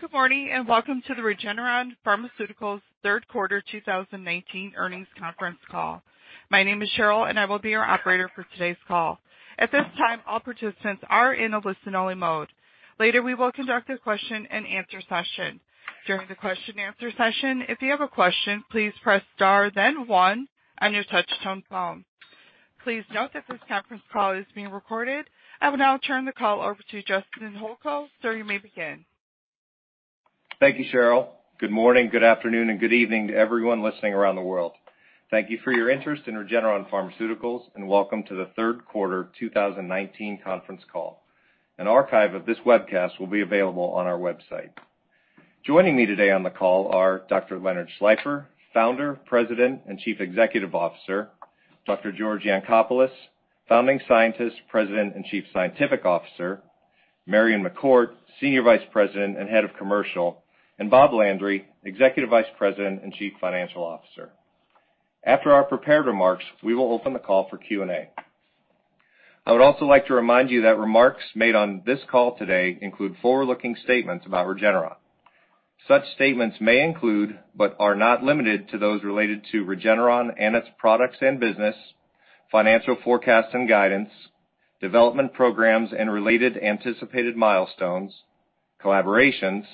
Good morning, welcome to the Regeneron Pharmaceuticals third quarter 2019 earnings conference call. My name is Cheryl, and I will be your operator for today's call. At this time, all participants are in a listen-only mode. Later, we will conduct a question and answer session. During the question and answer session, if you have a question, please press star, then one on your touch-tone phone. Please note that this conference call is being recorded. I will now turn the call over to Justin Holko. Sir, you may begin. Thank you, Cheryl. Good morning, good afternoon, and good evening to everyone listening around the world. Thank you for your interest in Regeneron Pharmaceuticals, welcome to the third quarter 2019 conference call. An archive of this webcast will be available on our website. Joining me today on the call are Dr. Leonard Schleifer, Founder, President, and Chief Executive Officer, Dr. George Yancopoulos, Founding Scientist, President, and Chief Scientific Officer, Marion McCourt, Senior Vice President and Head of Commercial, and Bob Landry, Executive Vice President and Chief Financial Officer. After our prepared remarks, we will open the call for Q&A. I would also like to remind you that remarks made on this call today include forward-looking statements about Regeneron. Such statements may include, but are not limited to, those related to Regeneron and its products and business, financial forecasts and guidance, development programs and related anticipated milestones, collaborations,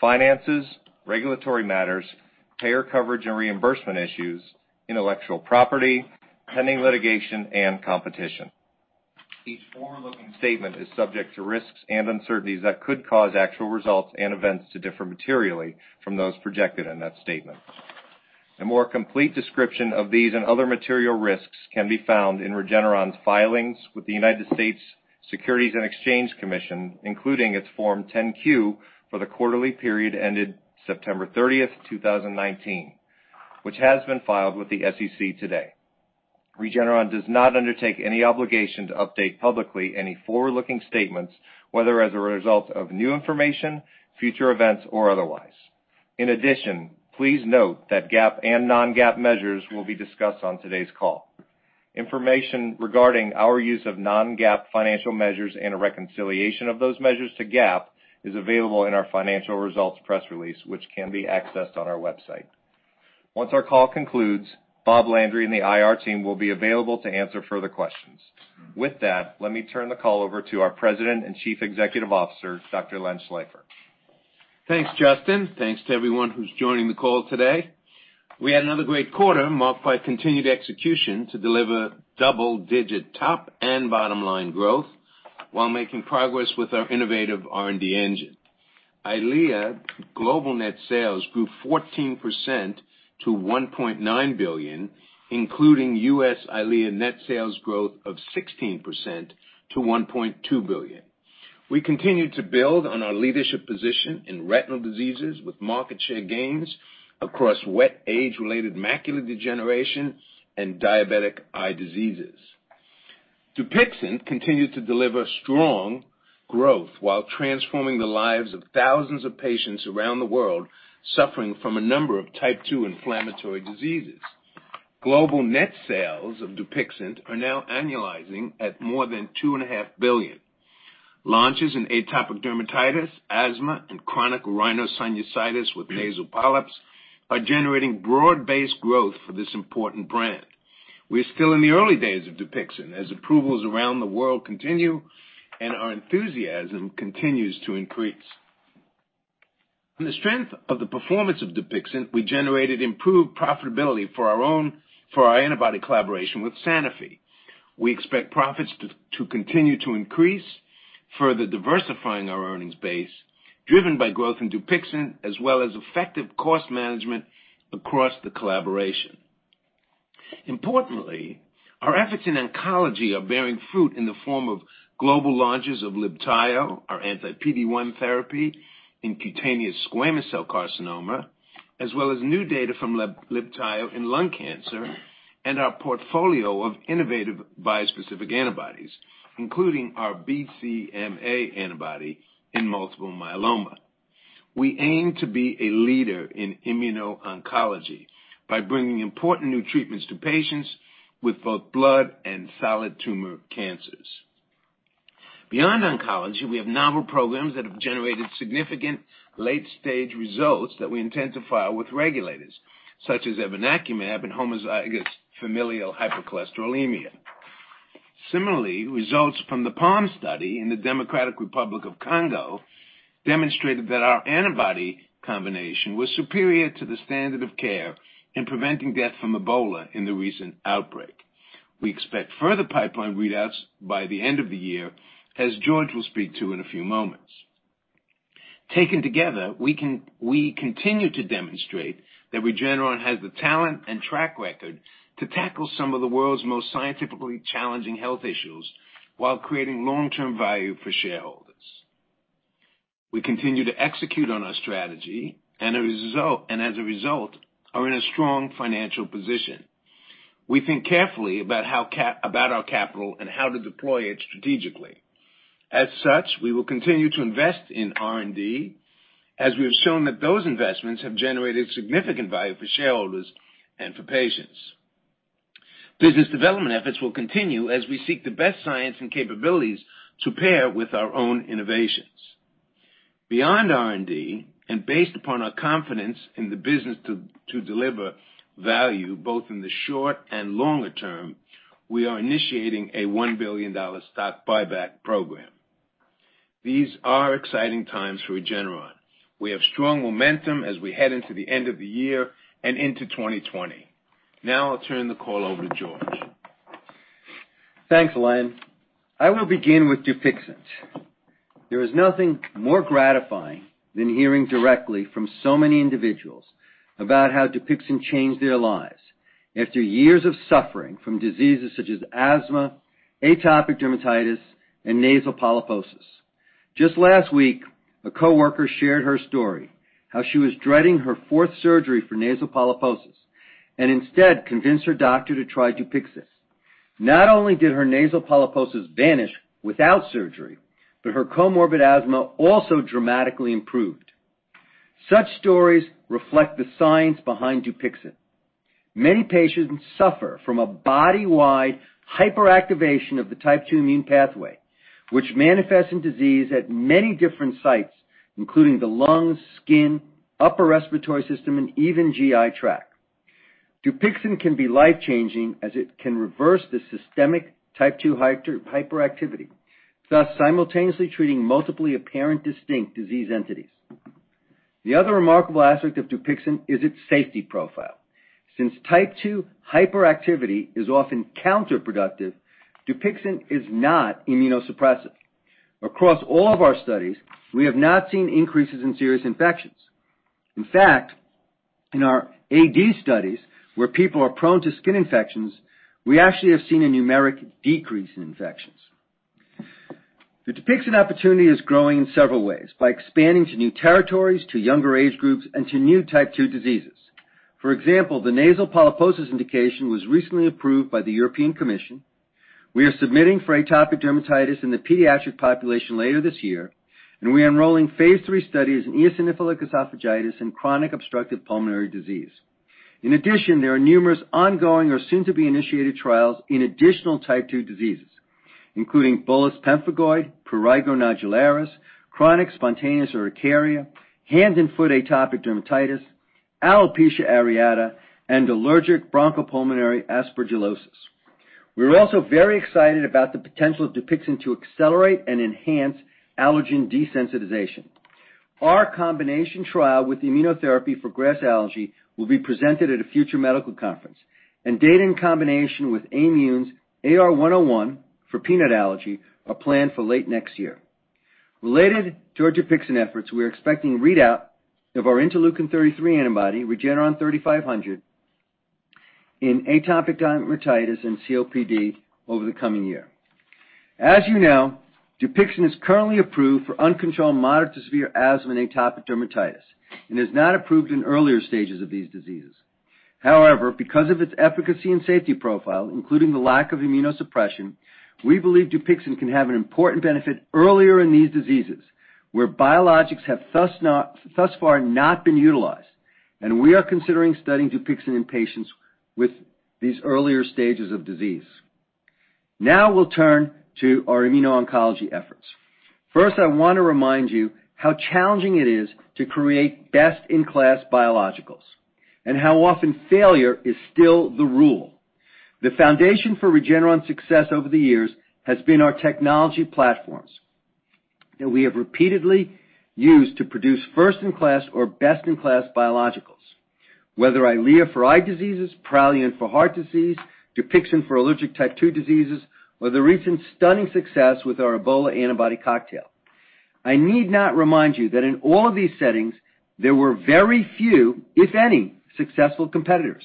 finances, regulatory matters, payer coverage and reimbursement issues, intellectual property, pending litigation, and competition. Each forward-looking statement is subject to risks and uncertainties that could cause actual results and events to differ materially from those projected in that statement. A more complete description of these and other material risks can be found in Regeneron's filings with the United States Securities and Exchange Commission, including its Form 10-Q for the quarterly period ended September 30th, 2019, which has been filed with the SEC today. Regeneron does not undertake any obligation to update publicly any forward-looking statements, whether as a result of new information, future events, or otherwise. In addition, please note that GAAP and non-GAAP measures will be discussed on today's call. Information regarding our use of non-GAAP financial measures and a reconciliation of those measures to GAAP is available in our financial results press release, which can be accessed on our website. Once our call concludes, Bob Landry and the IR team will be available to answer further questions. With that, let me turn the call over to our President and Chief Executive Officer, Dr. Len Schleifer. Thanks, Justin. Thanks to everyone who's joining the call today. We had another great quarter marked by continued execution to deliver double-digit top and bottom-line growth while making progress with our innovative R&D engine. EYLEA global net sales grew 14% to $1.9 billion, including U.S. EYLEA net sales growth of 16% to $1.2 billion. We continue to build on our leadership position in retinal diseases with market share gains across wet age-related macular degeneration and diabetic eye diseases. DUPIXENT continues to deliver strong growth while transforming the lives of thousands of patients around the world suffering from a number of type 2 inflammatory diseases. Global net sales of DUPIXENT are now annualizing at more than $2.5 billion. Launches in atopic dermatitis, asthma, and chronic rhinosinusitis with nasal polyps are generating broad-based growth for this important brand. We're still in the early days of DUPIXENT as approvals around the world continue, and our enthusiasm continues to increase. From the strength of the performance of DUPIXENT, we generated improved profitability for our antibody collaboration with Sanofi. We expect profits to continue to increase, further diversifying our earnings base, driven by growth in DUPIXENT as well as effective cost management across the collaboration. Importantly, our efforts in oncology are bearing fruit in the form of global launches of LIBTAYO, our anti-PD-1 therapy in cutaneous squamous cell carcinoma, as well as new data from LIBTAYO in lung cancer and our portfolio of innovative bispecific antibodies, including our BCMA antibody in multiple myeloma. We aim to be a leader in immuno-oncology by bringing important new treatments to patients with both blood and solid tumor cancers. Beyond oncology, we have novel programs that have generated significant late-stage results that we intend to file with regulators, such as evinacumab in homozygous familial hypercholesterolemia. Similarly, results from the PALM study in the Democratic Republic of Congo demonstrated that our antibody combination was superior to the standard of care in preventing death from Ebola in the recent outbreak. We expect further pipeline readouts by the end of the year, as George will speak to in a few moments. Taken together, we continue to demonstrate that Regeneron has the talent and track record to tackle some of the world's most scientifically challenging health issues while creating long-term value for shareholders. We continue to execute on our strategy. As a result, are in a strong financial position. We think carefully about our capital and how to deploy it strategically. As such, we will continue to invest in R&D, as we have shown that those investments have generated significant value for shareholders and for patients. Business development efforts will continue as we seek the best science and capabilities to pair with our own innovations. Beyond R&D, and based upon our confidence in the business to deliver value both in the short and longer term, we are initiating a $1 billion stock buyback program. These are exciting times for Regeneron. We have strong momentum as we head into the end of the year and into 2020. Now I'll turn the call over to George. Thanks, Len. I will begin with DUPIXENT. There is nothing more gratifying than hearing directly from so many individuals about how DUPIXENT changed their lives after years of suffering from diseases such as asthma, atopic dermatitis, and nasal polyposis. Just last week, a coworker shared her story, how she was dreading her fourth surgery for nasal polyposis and instead convinced her doctor to try DUPIXENT. Not only did her nasal polyposis vanish without surgery, but her comorbid asthma also dramatically improved. Such stories reflect the science behind DUPIXENT. Many patients suffer from a body-wide hyperactivation of the type 2 immune pathway, which manifests in disease at many different sites, including the lungs, skin, upper respiratory system, and even GI tract. DUPIXENT can be life-changing, as it can reverse the systemic type 2 hyperactivity, thus simultaneously treating multiply apparent distinct disease entities. The other remarkable aspect of DUPIXENT is its safety profile. Since type 2 hyperactivity is often counterproductive, DUPIXENT is not immunosuppressive. Across all of our studies, we have not seen increases in serious infections. In fact, in our AD studies, where people are prone to skin infections, we actually have seen a numeric decrease in infections. The DUPIXENT opportunity is growing in several ways: by expanding to new territories, to younger age groups, and to new type 2 diseases. For example, the European Commission recently approved the nasal polyposis indication. We are submitting for atopic dermatitis in the pediatric population later this year, and we are enrolling phase III studies in eosinophilic esophagitis and chronic obstructive pulmonary disease. In addition, there are numerous ongoing or soon-to-be-initiated trials in additional type 2 diseases, including bullous pemphigoid, prurigo nodularis, chronic spontaneous urticaria, hand and foot atopic dermatitis, alopecia areata, and allergic bronchopulmonary aspergillosis. We're also very excited about the potential of DUPIXENT to accelerate and enhance allergen desensitization. Our combination trial with immunotherapy for grass allergy will be presented at a future medical conference, and data in combination with Aimmune's AR101 for peanut allergy are planned for late next year. Related to our DUPIXENT efforts, we are expecting readout of our interleukin-33 antibody, REGN3500, in atopic dermatitis and COPD over the coming year. As you know, DUPIXENT is currently approved for uncontrolled moderate to severe asthma and atopic dermatitis and is not approved in earlier stages of these diseases. Because of its efficacy and safety profile, including the lack of immunosuppression, we believe DUPIXENT can have an important benefit earlier in these diseases, where biologics have thus far not been utilized, and we are considering studying DUPIXENT in patients with these earlier stages of disease. We'll turn to our immuno-oncology efforts. I want to remind you how challenging it is to create best-in-class biologicals and how often failure is still the rule. The foundation for Regeneron's success over the years has been our technology platforms that we have repeatedly used to produce first-in-class or best-in-class biologicals, whether EYLEA for eye diseases, PRALUENT for heart disease, DUPIXENT for allergic type 2 diseases, or the recent stunning success with our Ebola antibody cocktail. I need not remind you that in all of these settings, there were very few, if any, successful competitors.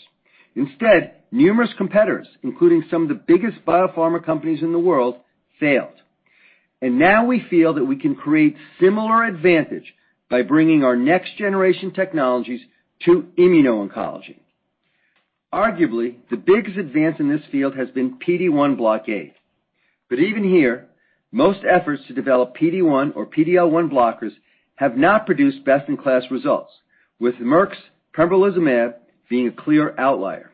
Instead, numerous competitors, including some of the biggest biopharma companies in the world, failed. Now we feel that we can create similar advantage by bringing our next-generation technologies to immuno-oncology. Arguably, the biggest advance in this field has been PD-1 blockade. Even here, most efforts to develop PD-1 or PD-L1 blockers have not produced best-in-class results, with Merck's pembrolizumab being a clear outlier.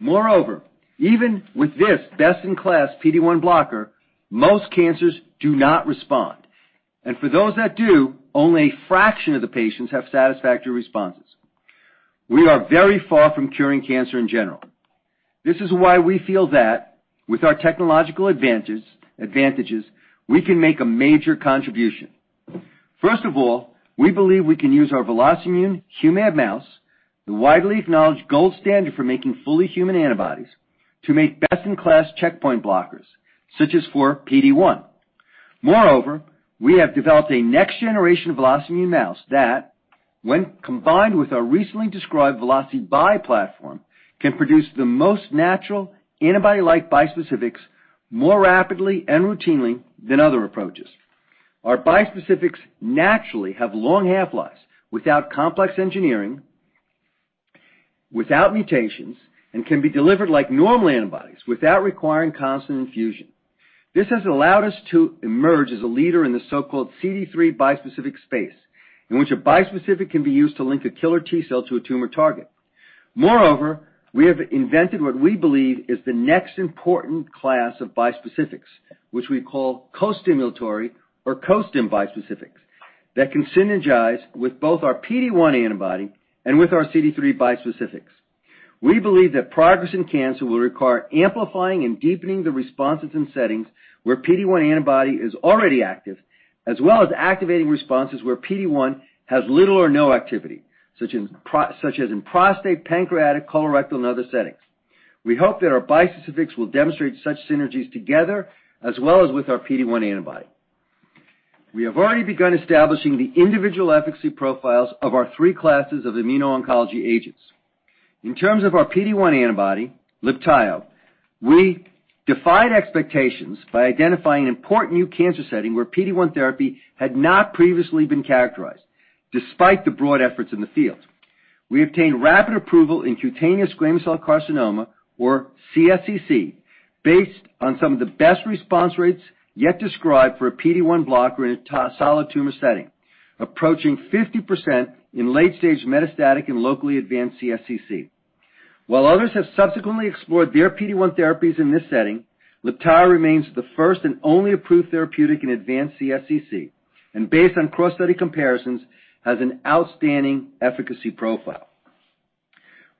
Moreover, even with this best-in-class PD-1 blocker, most cancers do not respond. For those that do, only a fraction of the patients have satisfactory responses. We are very far from curing cancer in general. This is why we feel that with our technological advantages, we can make a major contribution. First of all, we believe we can use our VelocImmune human Ab mouse, the widely acknowledged gold standard for making fully human antibodies, to make best-in-class checkpoint blockers, such as for PD-1. Moreover, we have developed a next generation VelocImmune mouse that, when combined with our recently described Veloci-Bi platform, can produce the most natural antibody-like bispecifics more rapidly and routinely than other approaches. Our bispecifics naturally have long half-lives without complex engineering, without mutations, and can be delivered like normal antibodies without requiring constant infusion. This has allowed us to emerge as a leader in the so-called CD3 bispecific space, in which a bispecific can be used to link a killer T-cell to a tumor target. Moreover, we have invented what we believe is the next important class of bispecifics, which we call costimulatory, or costim bispecifics, that can synergize with both our PD-1 antibody and with our CD3 bispecifics. We believe that progress in cancer will require amplifying and deepening the responses in settings where PD-1 antibody is already active, as well as activating responses where PD-1 has little or no activity, such as in prostate, pancreatic, colorectal, and other settings. We hope that our bispecifics will demonstrate such synergies together, as well as with our PD-1 antibody. We have already begun establishing the individual efficacy profiles of our three classes of immuno-oncology agents. In terms of our PD-1 antibody, Libtayo, we defied expectations by identifying an important new cancer setting where PD-1 therapy had not previously been characterized, despite the broad efforts in the field. We obtained rapid approval in cutaneous squamous cell carcinoma, or CSCC, based on some of the best response rates yet described for a PD-1 blocker in a solid tumor setting, approaching 50% in late stage metastatic and locally advanced CSCC. While others have subsequently explored their PD-1 therapies in this setting, Libtayo remains the first and only approved therapeutic in advanced CSCC, and based on cross-study comparisons, has an outstanding efficacy profile.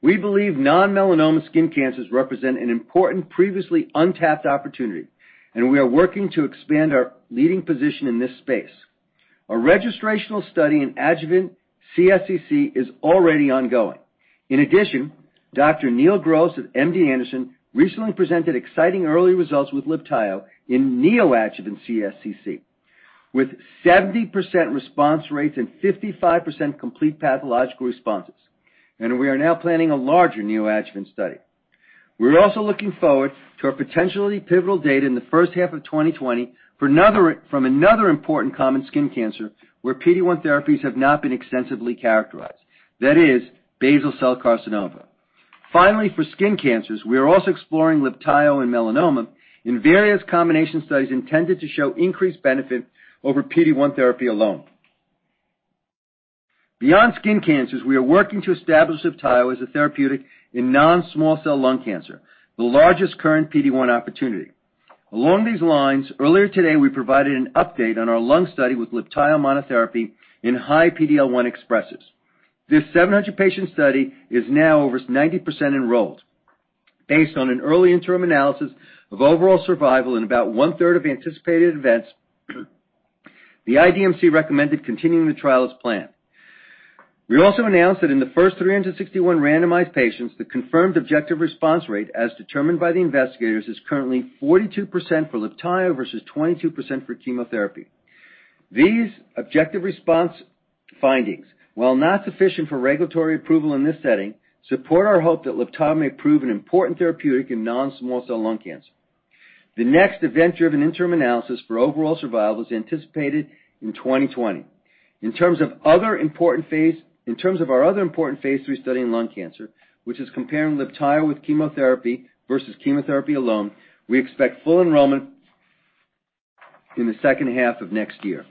We believe non-melanoma skin cancers represent an important, previously untapped opportunity, and we are working to expand our leading position in this space. A registrational study in adjuvant CSCC is already ongoing. In addition, Dr. Neil Gross at MD Anderson recently presented exciting early results with Libtayo in neoadjuvant CSCC, with 70% response rates and 55% complete pathological responses. We are now planning a larger neoadjuvant study. We're also looking forward to our potentially pivotal data in the first half of 2020 from another important common skin cancer where PD-1 therapies have not been extensively characterized, that is basal cell carcinoma. Finally, for skin cancers, we are also exploring Libtayo in melanoma in various combination studies intended to show increased benefit over PD-1 therapy alone. Beyond skin cancers, we are working to establish Libtayo as a therapeutic in non-small cell lung cancer, the largest current PD-1 opportunity. Along these lines, earlier today, we provided an update on our lung study with Libtayo monotherapy in high PD-L1 expressers. This 700-patient study is now over 90% enrolled. Based on an early interim analysis of overall survival in about one-third of anticipated events, the IDMC recommended continuing the trial as planned. We also announced that in the first 361 randomized patients, the confirmed objective response rate, as determined by the investigators, is currently 42% for Libtayo versus 22% for chemotherapy. These objective response findings, while not sufficient for regulatory approval in this setting, support our hope that Libtayo may prove an important therapeutic in non-small cell lung cancer. The next event-driven interim analysis for overall survival is anticipated in 2020. In terms of our other important phase III study in lung cancer, which is comparing Libtayo with chemotherapy versus chemotherapy alone, we expect full enrollment in the second half of next year.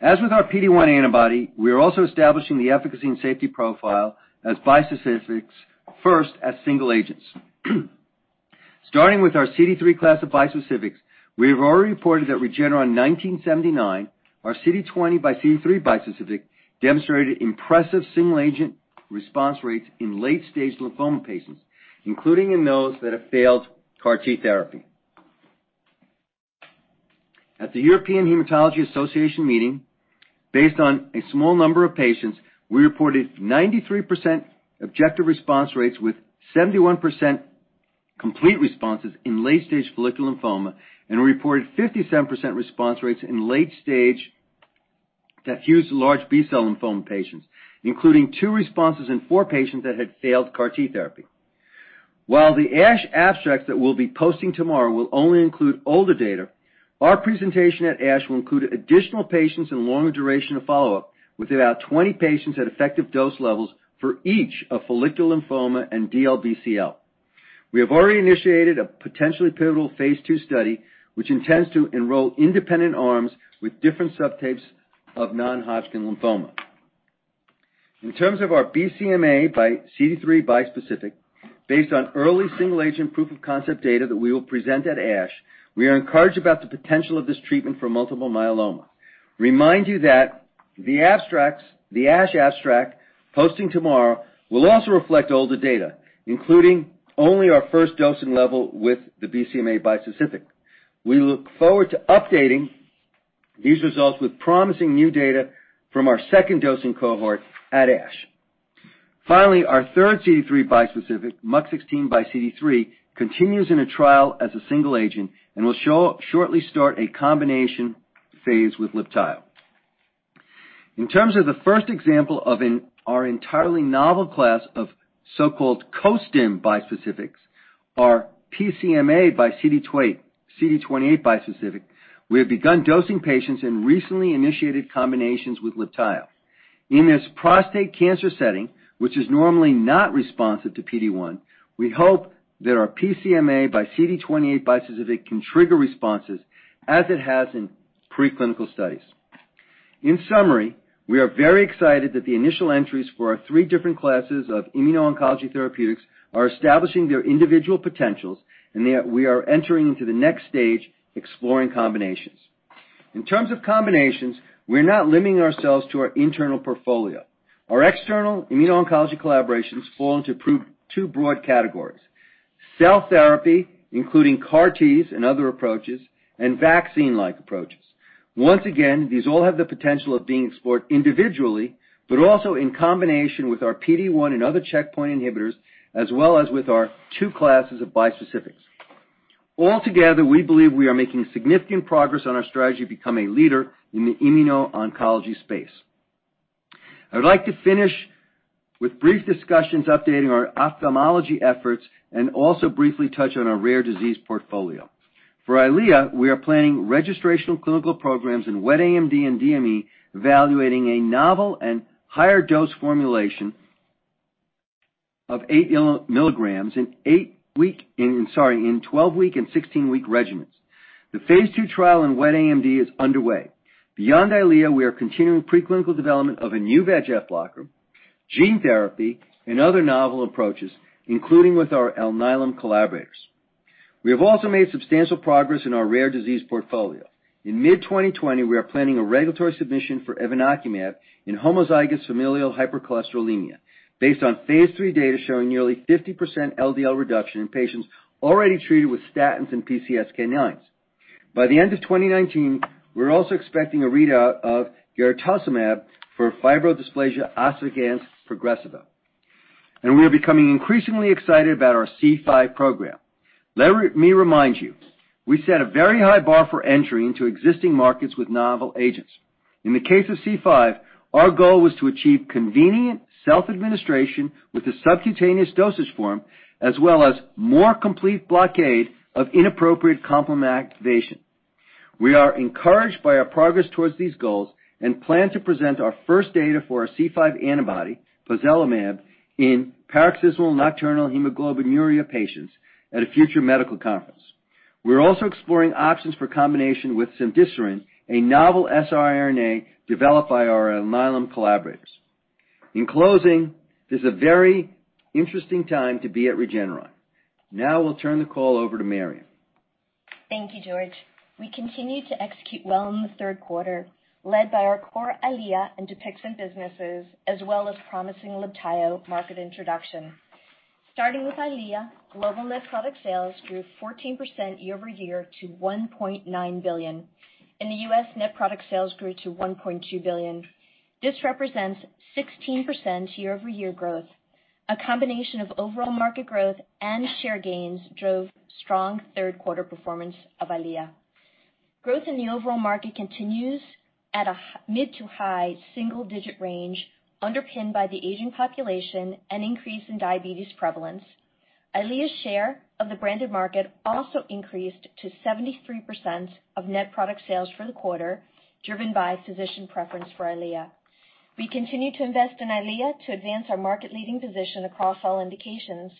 As with our PD-1 antibody, we are also establishing the efficacy and safety profile as bispecifics, first as single agents. Starting with our CD3 class of bispecifics, we have already reported that REGN1979, our CD20 by CD3 bispecific, demonstrated impressive single-agent response rates in late-stage lymphoma patients, including in those that have failed CAR T therapy. At the European Hematology Association meeting, based on a small number of patients, we reported 93% objective response rates with 71% complete responses in late-stage follicular lymphoma. We reported 57% response rates in late stage diffuse large B-cell lymphoma patients, including two responses in four patients that had failed CAR T therapy. While the ASH abstract that we'll be posting tomorrow will only include older data, our presentation at ASH will include additional patients and longer duration of follow-up with about 20 patients at effective dose levels for each of follicular lymphoma and DLBCL. We have already initiated a potentially pivotal Phase II study, which intends to enroll independent arms with different subtypes of non-Hodgkin lymphoma. In terms of our BCMA by CD3 bispecific, based on early single-agent proof-of-concept data that we will present at ASH, we are encouraged about the potential of this treatment for multiple myeloma. Remind you that the ASH abstract posting tomorrow will also reflect older data, including only our first dosing level with the BCMA bispecific. We look forward to updating these results with promising new data from our second dosing cohort at ASH. Our third CD3 bispecific, MUC16 by CD3, continues in a trial as a single agent and will shortly start a combination phase with Libtayo. In terms of the first example of our entirely novel class of so-called costimulatory bispecifics, our PSMA by CD28 bispecific, we have begun dosing patients in recently initiated combinations with Libtayo. In this prostate cancer setting, which is normally not responsive to PD-1, we hope that our PSMA by CD28 bispecific can trigger responses as it has in preclinical studies. In summary, we are very excited that the initial entries for our three different classes of immuno-oncology therapeutics are establishing their individual potentials, and we are entering into the next stage, exploring combinations. In terms of combinations, we're not limiting ourselves to our internal portfolio. Our external immuno-oncology collaborations fall into two broad categories: cell therapy, including CAR Ts and other approaches, and vaccine-like approaches. Once again, these all have the potential of being explored individually, but also in combination with our PD-1 and other checkpoint inhibitors, as well as with our two classes of bispecifics. Altogether, we believe we are making significant progress on our strategy to become a leader in the immuno-oncology space. I'd like to finish with brief discussions updating our ophthalmology efforts, and also briefly touch on our rare disease portfolio. For EYLEA, we are planning registrational clinical programs in wet AMD and DME, evaluating a novel and higher dose formulation of eight milligrams in 12-week and 16-week regimens. The phase II trial in wet AMD is underway. Beyond EYLEA, we are continuing preclinical development of a new VEGF blocker, gene therapy, and other novel approaches, including with our Alnylam collaborators. We have also made substantial progress in our rare disease portfolio. In mid-2020, we are planning a regulatory submission for evinacumab in homozygous familial hypercholesterolemia based on phase III data showing nearly 50% LDL reduction in patients already treated with statins and PCSK9s. By the end of 2019, we're also expecting a readout of garetosmab for fibrodysplasia ossificans progressiva. We are becoming increasingly excited about our C5 program. Let me remind you, we set a very high bar for entry into existing markets with novel agents. In the case of C5, our goal was to achieve convenient self-administration with a subcutaneous dosage form, as well as more complete blockade of inappropriate complement activation. We are encouraged by our progress towards these goals and plan to present our first data for our C5 antibody, pozelimab, in paroxysmal nocturnal hemoglobinuria patients at a future medical conference. We're also exploring options for combination with cemdisiran, a novel siRNA developed by our Alnylam collaborators. In closing, this is a very interesting time to be at Regeneron. Now I will turn the call over to Marion. Thank you, George. We continued to execute well in the third quarter, led by our core EYLEA and DUPIXENT businesses, as well as promising Libtayo market introduction. Starting with EYLEA, global net product sales grew 14% year-over-year to $1.9 billion. In the U.S., net product sales grew to $1.2 billion. This represents 16% year-over-year growth. A combination of overall market growth and share gains drove strong third quarter performance of EYLEA. Growth in the overall market continues at a mid to high single-digit range, underpinned by the aging population and increase in diabetes prevalence. EYLEA's share of the branded market also increased to 73% of net product sales for the quarter, driven by physician preference for EYLEA. We continue to invest in EYLEA to advance our market-leading position across all indications.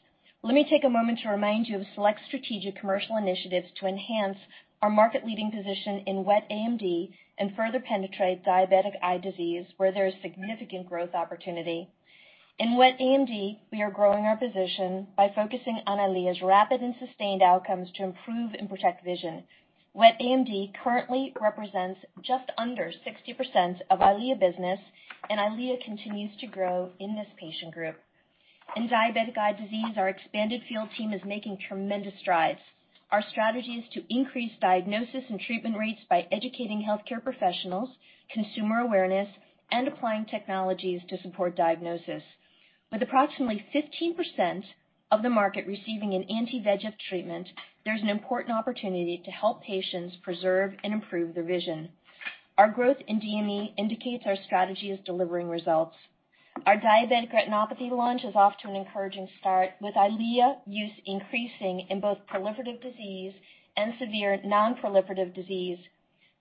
Let me take a moment to remind you of select strategic commercial initiatives to enhance our market-leading position in wet AMD and further penetrate diabetic eye disease, where there is significant growth opportunity. In wet AMD, we are growing our position by focusing on EYLEA's rapid and sustained outcomes to improve and protect vision. Wet AMD currently represents just under 60% of EYLEA business, and EYLEA continues to grow in this patient group. In diabetic eye disease, our expanded field team is making tremendous strides. Our strategy is to increase diagnosis and treatment rates by educating healthcare professionals, consumer awareness, and applying technologies to support diagnosis. With approximately 15% of the market receiving an anti-VEGF treatment, there's an important opportunity to help patients preserve and improve their vision. Our growth in DME indicates our strategy is delivering results. Our diabetic retinopathy launch is off to an encouraging start, with EYLEA use increasing in both proliferative disease and severe non-proliferative disease.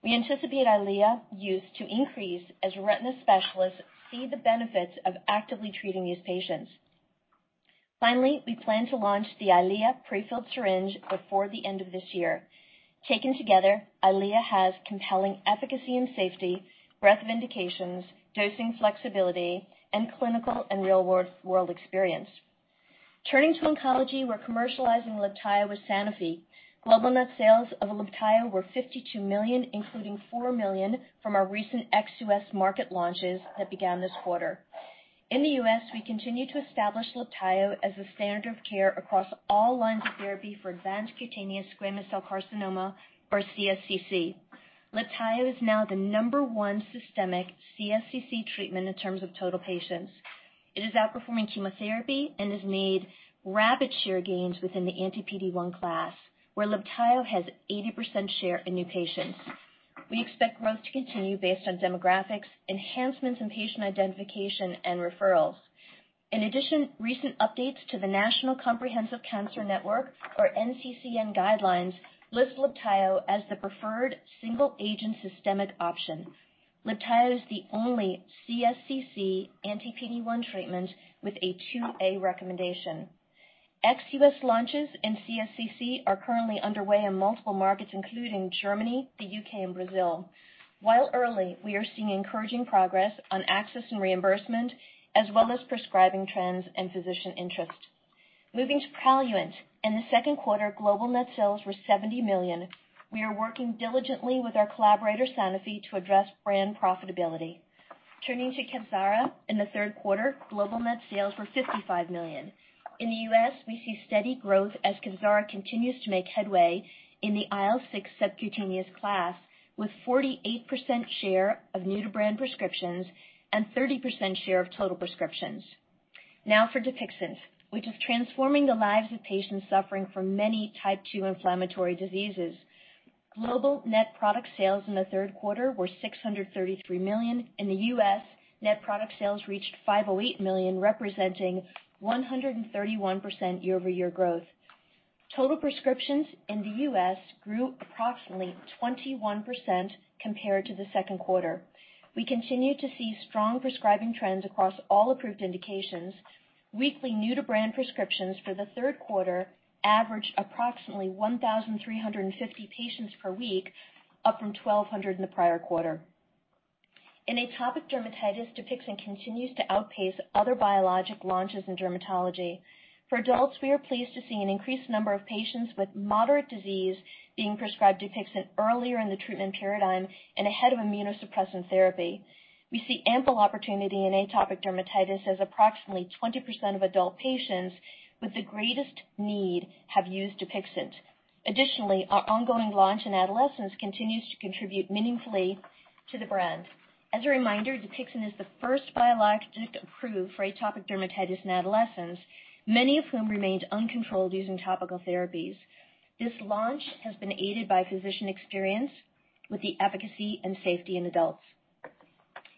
We anticipate EYLEA use to increase as retina specialists see the benefits of actively treating these patients. Finally, we plan to launch the EYLEA pre-filled syringe before the end of this year. Taken together, EYLEA has compelling efficacy and safety, breadth of indications, dosing flexibility, and clinical and real-world experience. Turning to oncology, we're commercializing Libtayo with Sanofi. Global net sales of Libtayo were $52 million, including $4 million from our recent ex-U.S. market launches that began this quarter. In the U.S., we continue to establish Libtayo as the standard of care across all lines of therapy for advanced cutaneous squamous cell carcinoma or CSCC. Libtayo is now the number 1 systemic CSCC treatment in terms of total patients. It is outperforming chemotherapy and has made rapid share gains within the anti-PD-1 class, where Libtayo has 80% share in new patients. We expect growth to continue based on demographics, enhancements in patient identification, and referrals. In addition, recent updates to the National Comprehensive Cancer Network, or NCCN guidelines, list Libtayo as the preferred single agent systemic option. Libtayo is the only CSCC anti-PD-1 treatment with a 2A recommendation. Ex-U.S. launches in CSCC are currently underway in multiple markets including Germany, the U.K. and Brazil. While early, we are seeing encouraging progress on access and reimbursement as well as prescribing trends and physician interest. Moving to PRALUENT. In the second quarter, global net sales were $70 million. We are working diligently with our collaborator, Sanofi, to address brand profitability. Turning to KEVZARA. In the third quarter, global net sales were $55 million. In the U.S., we see steady growth as KEVZARA continues to make headway in the IL-6 subcutaneous class, with 48% share of new-to-brand prescriptions and 30% share of total prescriptions. Now for DUPIXENT, which is transforming the lives of patients suffering from many type 2 inflammatory diseases. Global net product sales in the third quarter were $633 million. In the U.S., net product sales reached $508 million, representing 131% year-over-year growth. Total prescriptions in the U.S. grew approximately 21% compared to the second quarter. We continue to see strong prescribing trends across all approved indications. Weekly new-to-brand prescriptions for the third quarter averaged approximately 1,350 patients per week, up from 1,200 in the prior quarter. In atopic dermatitis, DUPIXENT continues to outpace other biologic launches in dermatology. For adults, we are pleased to see an increased number of patients with moderate disease being prescribed DUPIXENT earlier in the treatment paradigm and ahead of immunosuppressant therapy. We see ample opportunity in atopic dermatitis as approximately 20% of adult patients with the greatest need have used DUPIXENT. Additionally, our ongoing launch in adolescents continues to contribute meaningfully to the brand. As a reminder, DUPIXENT is the first biologic approved for atopic dermatitis in adolescents, many of whom remained uncontrolled using topical therapies. This launch has been aided by physician experience with the efficacy and safety in adults.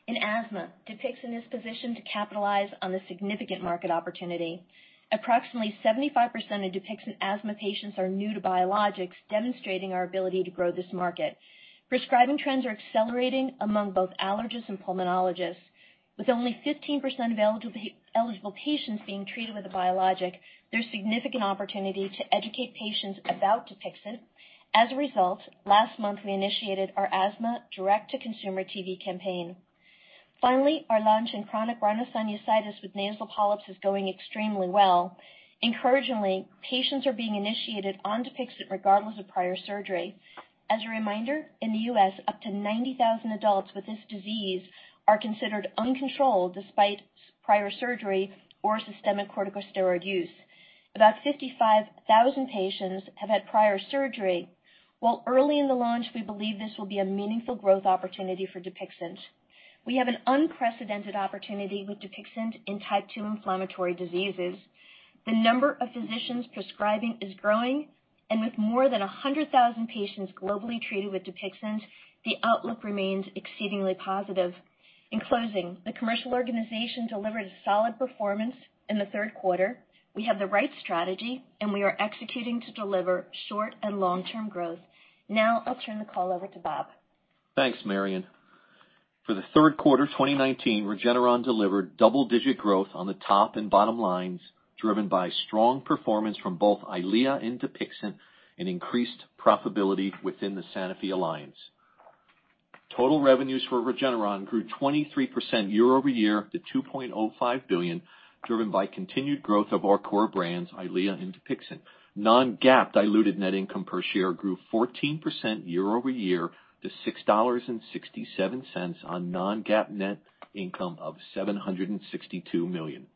In asthma, DUPIXENT is positioned to capitalize on the significant market opportunity. Approximately 75% of DUPIXENT asthma patients are new to biologics, demonstrating our ability to grow this market. Prescribing trends are accelerating among both allergists and pulmonologists. With only 15% of eligible patients being treated with a biologic, there's significant opportunity to educate patients about DUPIXENT. As a result, last month, we initiated our asthma direct-to-consumer TV campaign. Finally, our launch in chronic rhinosinusitis with nasal polyps is going extremely well. Encouragingly, patients are being initiated on DUPIXENT regardless of prior surgery. As a reminder, in the U.S., up to 90,000 adults with this disease are considered uncontrolled despite prior surgery or systemic corticosteroid use. About 55,000 patients have had prior surgery. While early in the launch, we believe this will be a meaningful growth opportunity for DUPIXENT. We have an unprecedented opportunity with DUPIXENT in type 2 inflammatory diseases. The number of physicians prescribing is growing, and with more than 100,000 patients globally treated with DUPIXENT, the outlook remains exceedingly positive. In closing, the commercial organization delivered a solid performance in the third quarter. We have the right strategy, we are executing to deliver short and long-term growth. Now, I'll turn the call over to Bob. Thanks, Marion. For the third quarter 2019, Regeneron delivered double-digit growth on the top and bottom lines, driven by strong performance from both EYLEA and DUPIXENT and increased profitability within the Sanofi alliance. Total revenues for Regeneron grew 23% year-over-year to $2.05 billion, driven by continued growth of our core brands, EYLEA and DUPIXENT. Non-GAAP diluted net income per share grew 14% year-over-year to $6.67 on non-GAAP net income of $762 million.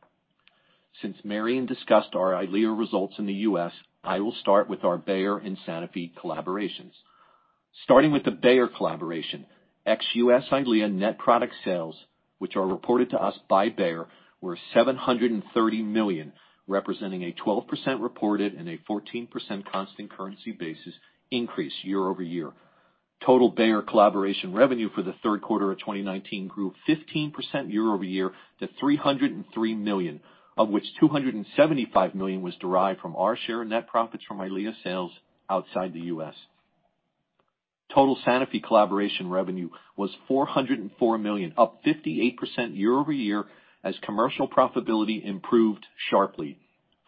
Since Marion discussed our EYLEA results in the U.S., I will start with our Bayer and Sanofi collaborations. Starting with the Bayer collaboration, ex-U.S. EYLEA net product sales, which are reported to us by Bayer, were $730 million, representing a 12% reported and a 14% constant currency basis increase year-over-year. Total Bayer collaboration revenue for the third quarter of 2019 grew 15% year-over-year to $303 million, of which $275 million was derived from our share in net profits from EYLEA sales outside the U.S. Total Sanofi collaboration revenue was $404 million, up 58% year-over-year as commercial profitability improved sharply.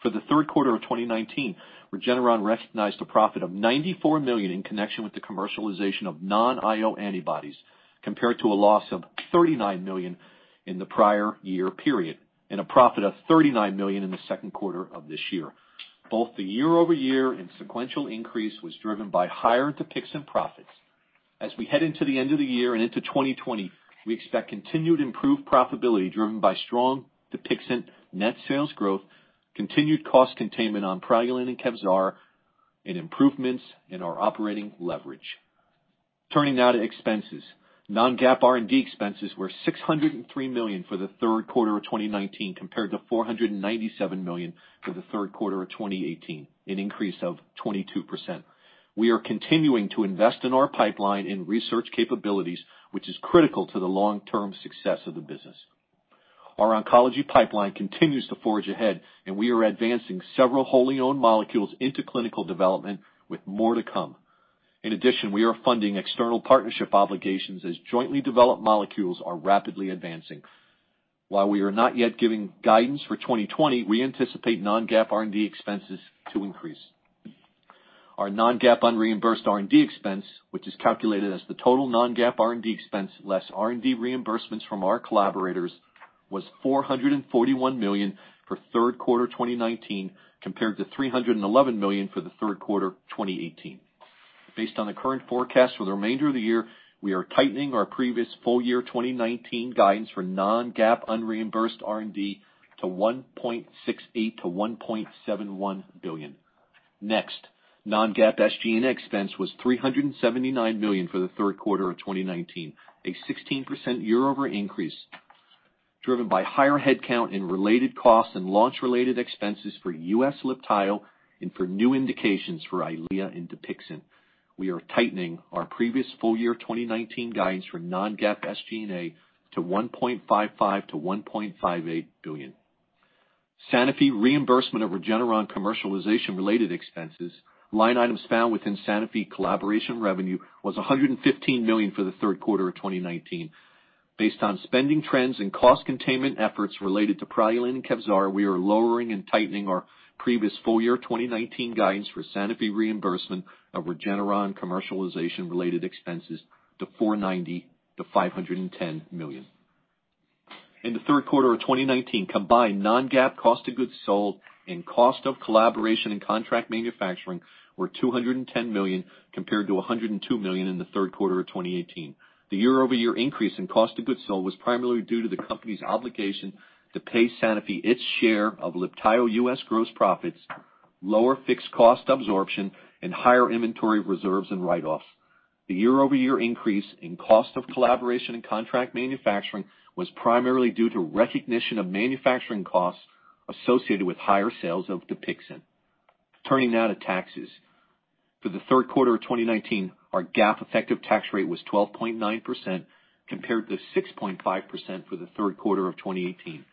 For the third quarter of 2019, Regeneron recognized a profit of $94 million in connection with the commercialization of non-IO antibodies, compared to a loss of $39 million in the prior year period, and a profit of $39 million in the second quarter of this year. Both the year-over-year and sequential increase was driven by higher DUPIXENT profits. As we head into the end of the year and into 2020, we expect continued improved profitability driven by strong DUPIXENT net sales growth, continued cost containment on PRALUENT and KEVZARA, and improvements in our operating leverage. Turning now to expenses. Non-GAAP R&D expenses were $603 million for the third quarter of 2019, compared to $497 million for the third quarter of 2018, an increase of 22%. We are continuing to invest in our pipeline and research capabilities, which is critical to the long-term success of the business. Our oncology pipeline continues to forge ahead, and we are advancing several wholly owned molecules into clinical development with more to come. In addition, we are funding external partnership obligations as jointly developed molecules are rapidly advancing. While we are not yet giving guidance for 2020, we anticipate non-GAAP R&D expenses to increase. Our non-GAAP unreimbursed R&D expense, which is calculated as the total non-GAAP R&D expense less R&D reimbursements from our collaborators, was $441 million for third quarter 2019 compared to $311 million for the third quarter 2018. Based on the current forecast for the remainder of the year, we are tightening our previous full-year 2019 guidance for non-GAAP unreimbursed R&D to $1.68 billion-$1.71 billion. Next, non-GAAP SG&A expense was $379 million for the third quarter of 2019, a 16% year-over-year increase, driven by higher headcount and related costs and launch-related expenses for U.S. Libtayo and for new indications for EYLEA and DUPIXENT. We are tightening our previous full-year 2019 guidance for non-GAAP SG&A to $1.55 billion-$1.58 billion. Sanofi reimbursement of Regeneron commercialization related expenses, line items found within Sanofi collaboration revenue, was $115 million for the third quarter of 2019. Based on spending trends and cost containment efforts related to PRALUENT and KEVZARA, we are lowering and tightening our previous full-year 2019 guidance for Sanofi reimbursement of Regeneron commercialization related expenses to $490 million-$510 million. In the third quarter of 2019, combined non-GAAP cost of goods sold and cost of collaboration and contract manufacturing were $210 million compared to $102 million in the third quarter of 2018. The year-over-year increase in cost of goods sold was primarily due to the company's obligation to pay Sanofi its share of Libtayo U.S. gross profits, lower fixed cost absorption, and higher inventory reserves and write-offs. The year-over-year increase in cost of collaboration and contract manufacturing was primarily due to recognition of manufacturing costs associated with higher sales of DUPIXENT. Turning now to taxes. For the third quarter of 2019, our GAAP effective tax rate was 12.9% compared to 6.5% for the third quarter of 2018.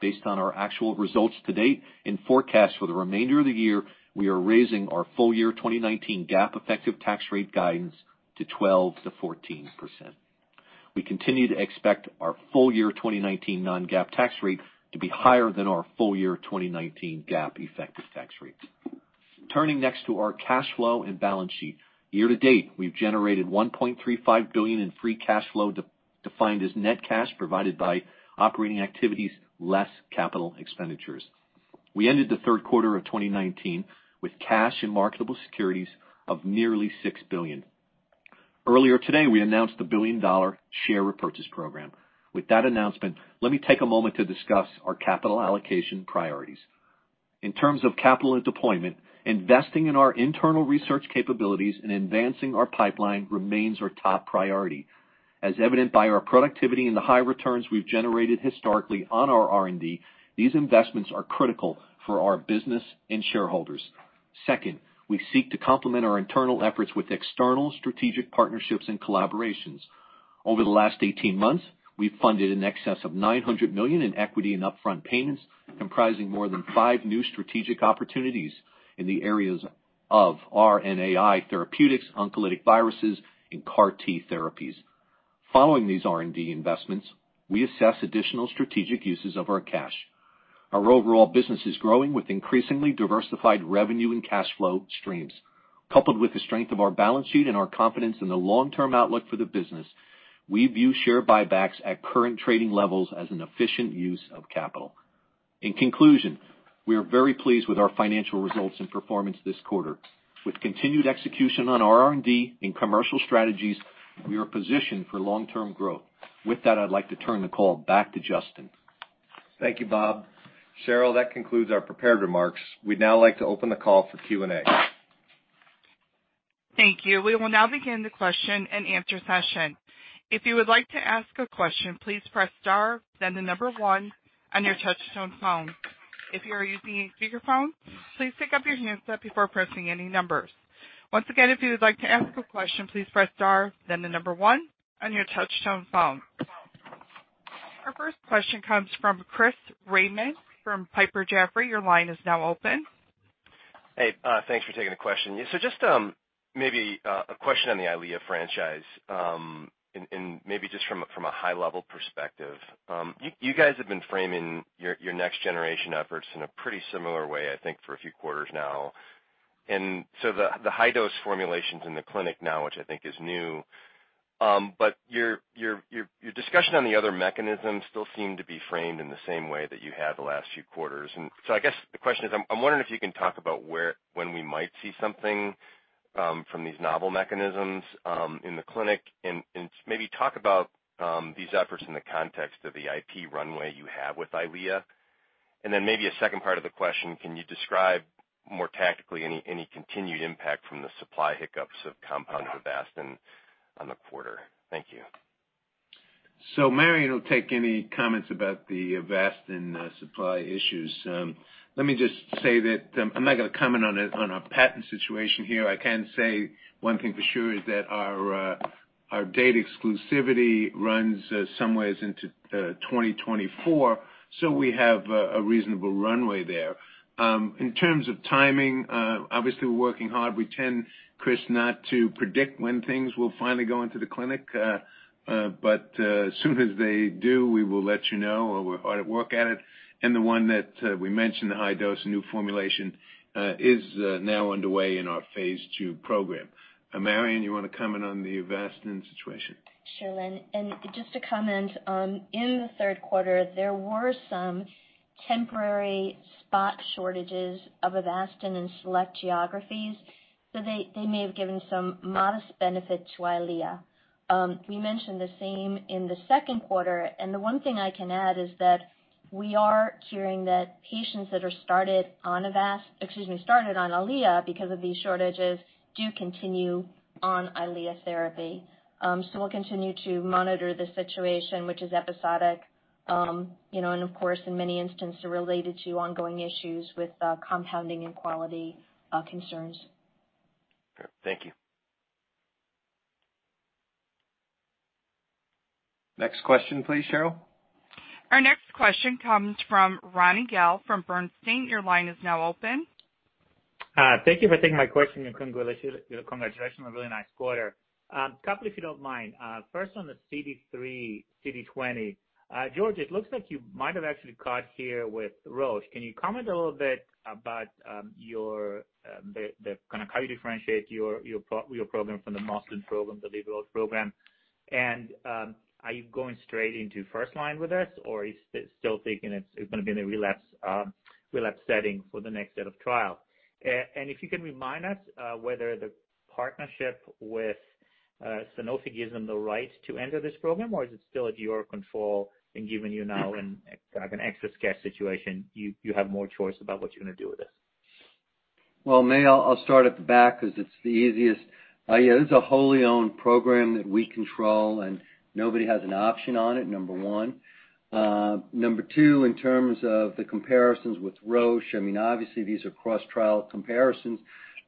Based on our actual results to date and forecasts for the remainder of the year, we are raising our full-year 2019 GAAP effective tax rate guidance to 12%-14%. We continue to expect our full-year 2019 non-GAAP tax rate to be higher than our full-year 2019 GAAP effective tax rate. Turning next to our cash flow and balance sheet. Year to date, we've generated $1.35 billion in free cash flow, defined as net cash provided by operating activities less capital expenditures. We ended the third quarter of 2019 with cash and marketable securities of nearly $6 billion. Earlier today, we announced the billion-dollar share repurchase program. With that announcement, let me take a moment to discuss our capital allocation priorities. In terms of capital and deployment, investing in our internal research capabilities and advancing our pipeline remains our top priority. As evident by our productivity and the high returns we've generated historically on our R&D, these investments are critical for our business and shareholders. Second, we seek to complement our internal efforts with external strategic partnerships and collaborations. Over the last 18 months, we've funded in excess of $900 million in equity and upfront payments, comprising more than five new strategic opportunities in the areas of RNAi therapeutics, oncolytic viruses, and CAR T therapies. Following these R&D investments, we assess additional strategic uses of our cash. Our overall business is growing with increasingly diversified revenue and cash flow streams. Coupled with the strength of our balance sheet and our confidence in the long-term outlook for the business, we view share buybacks at current trading levels as an efficient use of capital. In conclusion, we are very pleased with our financial results and performance this quarter. With continued execution on our R&D and commercial strategies, we are positioned for long-term growth. With that, I'd like to turn the call back to Justin. Thank you, Bob. Cheryl, that concludes our prepared remarks. We'd now like to open the call for Q&A. Thank you. We will now begin the question and answer session. If you would like to ask a question, please press star, then the number one on your touch-tone phone. If you are using a speakerphone, please pick up your handset before pressing any numbers. Once again, if you would like to ask a question, please press star, then the number one on your touch-tone phone. Our first question comes from Chris Raymond from Piper Jaffray. Your line is now open. Hey, thanks for taking the question. Just maybe a question on the EYLEA franchise, and maybe just from a high level perspective. You guys have been framing your next generation efforts in a pretty similar way, I think, for a few quarters now. The high dose formulations in the clinic now, which I think is new, but your discussion on the other mechanisms still seem to be framed in the same way that you have the last few quarters. I guess the question is, I'm wondering if you can talk about when we might see something from these novel mechanisms in the clinic, and maybe talk about these efforts in the context of the IP runway you have with EYLEA. Maybe a second part of the question, can you describe more tactically any continued impact from the supply hiccups of compounded Avastin on the quarter? Thank you. Marion will take any comments about the Avastin supply issues. Let me just say that I'm not going to comment on our patent situation here. I can say one thing for sure is that our data exclusivity runs some ways into 2024. We have a reasonable runway there. In terms of timing, obviously, we're working hard. We tend, Chris, not to predict when things will finally go into the clinic. As soon as they do, we will let you know, or we're hard at work at it. The one that we mentioned, the high-dose new formulation, is now underway in our phase II program. Marion, you want to comment on the Avastin situation? Sure, Len. Just to comment, in the third quarter, there were some temporary spot shortages of Avastin in select geographies, so they may have given some modest benefit to EYLEA. We mentioned the same in the second quarter, and the one thing I can add is that we are hearing that patients that are started on EYLEA because of these shortages do continue on EYLEA therapy. We'll continue to monitor the situation, which is episodic, and of course, in many instances, are related to ongoing issues with compounding and quality concerns. Great. Thank you. Next question, please, Cheryl. Our next question comes from Ronny Gal from Bernstein. Your line is now open. Thank you for taking my question. Congratulations on a really nice quarter. A couple, if you don't mind. First on the CD3, CD20. George, it looks like you might have actually caught here with Roche. Can you comment a little bit about how you differentiate your program from the Mosun program, the Libtayo program? Are you going straight into first line with this, or are you still thinking it's going to be in a relapse setting for the next set of trial? If you can remind us whether the partnership with Sanofi gives them the right to enter this program, or is it still at your control and given you now in kind of an extra scarce situation, you have more choice about what you're going to do with this? Well, maybe I'll start at the back because it's the easiest. This is a wholly owned program that we control, and nobody has an option on it, number one. Number two, in terms of the comparisons with Roche, obviously these are cross-trial comparisons,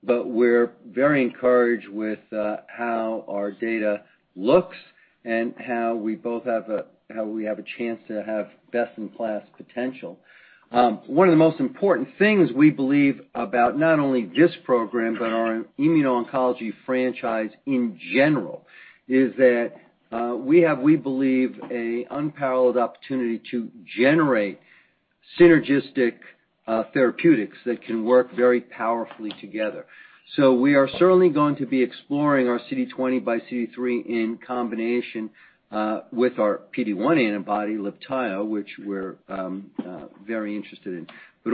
but we're very encouraged with how our data looks and how we have a chance to have best-in-class potential. One of the most important things we believe about not only this program but our immuno-oncology franchise in general is that we have, we believe, an unparalleled opportunity to generate synergistic therapeutics that can work very powerfully together. We are certainly going to be exploring our CD20 by CD3 in combination with our PD-1 antibody, Libtayo, which we're very interested in.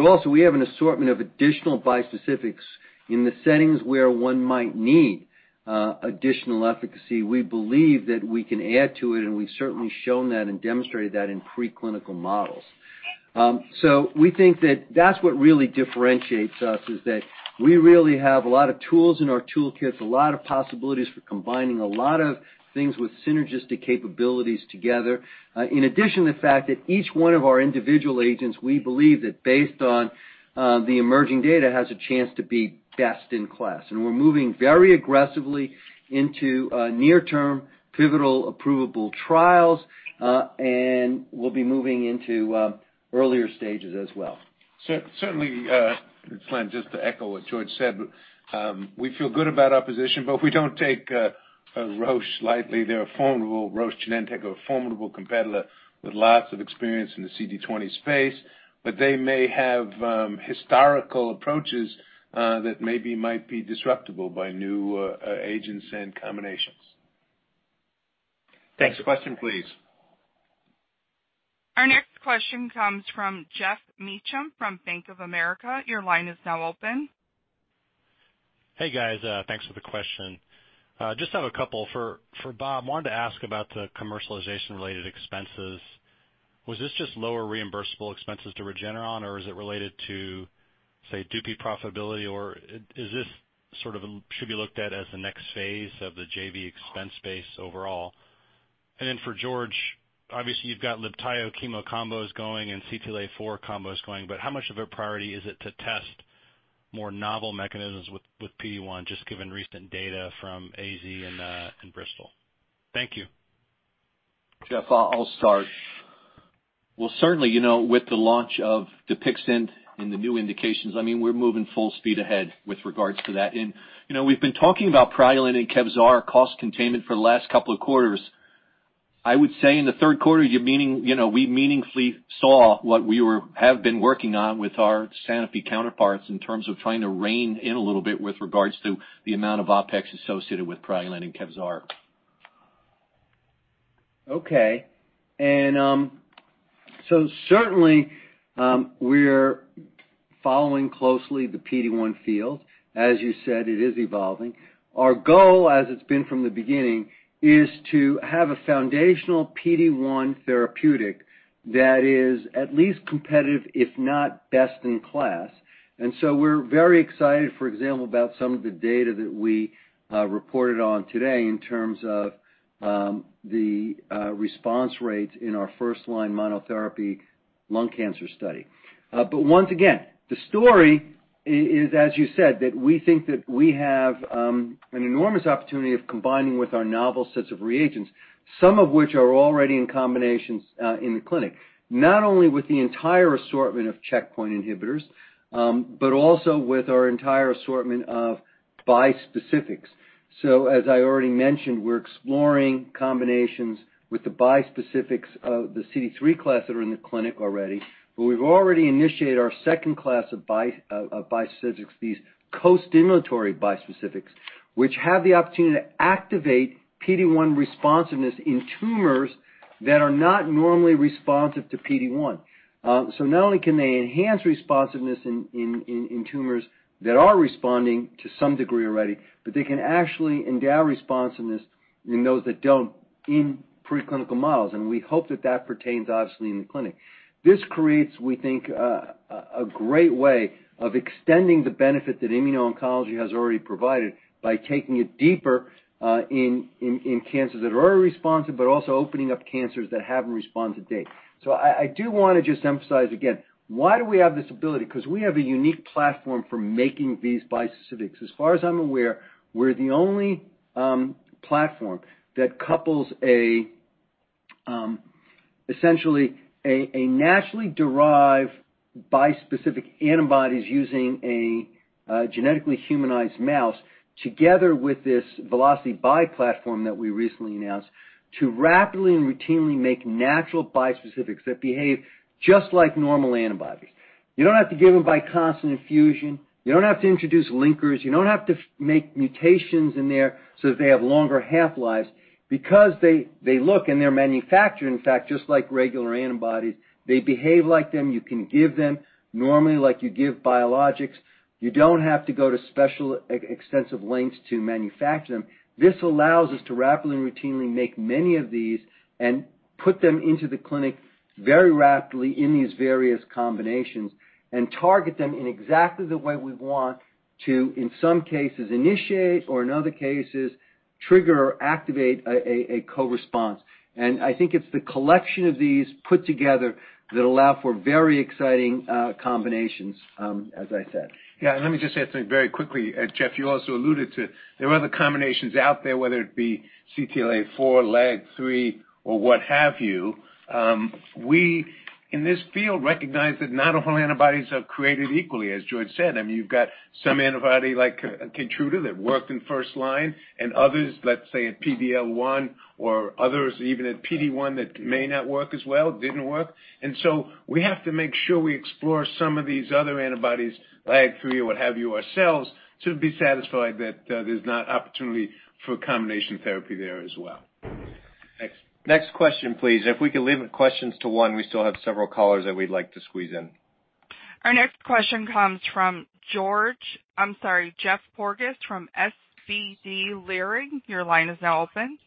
Also we have an assortment of additional bispecifics in the settings where one might need additional efficacy. We believe that we can add to it, and we've certainly shown that and demonstrated that in preclinical models. We think that that's what really differentiates us, is that we really have a lot of tools in our toolkit, a lot of possibilities for combining a lot of things with synergistic capabilities together. In addition to the fact that each one of our individual agents, we believe that based on the emerging data, has a chance to be best in class. We're moving very aggressively into near-term pivotal approvable trials, and we'll be moving into earlier stages as well. Certainly, just to echo what George said, we feel good about our position, but we don't take Roche lightly. Roche Genentech are a formidable competitor with lots of experience in the CD20 space, but they may have historical approaches that maybe might be disruptable by new agents and combinations. Thanks. Next question, please. Our next question comes from Geoff Meacham from Bank of America. Your line is now open. Hey, guys. Thanks for the question. Just have a couple. For Bob, wanted to ask about the commercialization-related expenses. Was this just lower reimbursable expenses to Regeneron, or is it related to, say, dupilumab profitability, or should this be looked at as the next phase of the JV expense base overall? Then for George, obviously you've got Libtayo chemo combos going and CTLA-4 combos going, how much of a priority is it to test more novel mechanisms with PD-1, just given recent data from AZ and Bristol? Thank you. Geoff, I'll start. Well, certainly, with the launch of DUPIXENT and the new indications, we're moving full speed ahead with regards to that. We've been talking about PRALUENT and KEVZARA cost containment for the last couple of quarters. I would say in the third quarter, we meaningfully saw what we have been working on with our Sanofi counterparts in terms of trying to rein in a little bit with regards to the amount of OpEx associated with PRALUENT and KEVZARA. Okay. Certainly we're Following closely the PD-1 field, as you said, it is evolving. Our goal, as it's been from the beginning, is to have a foundational PD-1 therapeutic that is at least competitive, if not best in class. We're very excited, for example, about some of the data that we reported on today in terms of the response rates in our first-line monotherapy lung cancer study. Once again, the story is, as you said, that we think that we have an enormous opportunity of combining with our novel sets of reagents, some of which are already in combinations in the clinic, not only with the entire assortment of checkpoint inhibitors, but also with our entire assortment of bispecifics. As I already mentioned, we're exploring combinations with the bispecifics of the CD3 class that are in the clinic already. We've already initiated our second class of bispecifics, these costimulatory bispecifics, which have the opportunity to activate PD-1 responsiveness in tumors that are not normally responsive to PD-1. Not only can they enhance responsiveness in tumors that are responding to some degree already, but they can actually endow responsiveness in those that don't in preclinical models. We hope that that pertains obviously in the clinic. This creates, we think, a great way of extending the benefit that immuno-oncology has already provided by taking it deeper in cancers that are responsive, but also opening up cancers that haven't responded to date. I do want to just emphasize again, why do we have this ability? Because we have a unique platform for making these bispecifics. As far as I'm aware, we're the only platform that couples essentially a naturally derived bispecific antibodies using a genetically humanized mouse together with this Veloci-Bi platform that we recently announced to rapidly and routinely make natural bispecifics that behave just like normal antibodies. You don't have to give them by constant infusion. You don't have to introduce linkers. You don't have to make mutations in there so that they have longer half-lives because they look and they're manufactured, in fact, just like regular antibodies. They behave like them. You can give them normally like you give biologics. You don't have to go to special extensive lengths to manufacture them. This allows us to rapidly and routinely make many of these and put them into the clinic very rapidly in these various combinations and target them in exactly the way we want to, in some cases, initiate, or in other cases, trigger or activate a co-response. I think it's the collection of these put together that allow for very exciting combinations as I said. Let me just say something very quickly. Geoff, you also alluded to there are other combinations out there, whether it be CTLA-4, LAG-3 or what have you. We, in this field, recognize that not all antibodies are created equally, as George said. You've got some antibody like KEYTRUDA that worked in first line and others, let's say at PD-L1 or others even at PD-1 that may not work as well, didn't work. We have to make sure we explore some of these other antibodies, LAG-3 or what have you, ourselves to be satisfied that there's not opportunity for combination therapy there as well. Thanks. Next question, please. If we could limit questions to one, we still have several callers that we'd like to squeeze in. Our next question comes from Geoffrey Porges from SVB Leerink. Your line is now open.